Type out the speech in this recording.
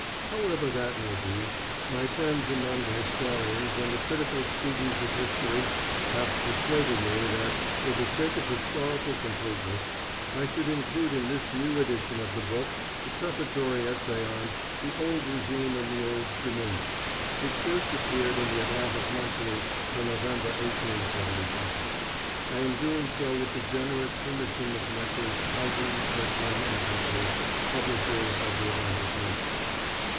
However that may be, my friends among the historians and the critical students of history have persuaded me that, for the sake of historical completeness, I should include in this new edition of the book the prefatory essay on "The Old Régime in the Old Dominion," which first appeared in the Atlantic Monthly for November, 1875. I am doing so with the generous permission of Messrs. Houghton, Mifflin, & Co., publishers of the Atlantic Monthly.